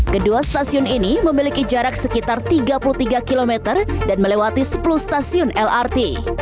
kedua stasiun ini memiliki jarak sekitar tiga puluh tiga km dan melewati sepuluh stasiun lrt